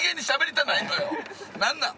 なんなん？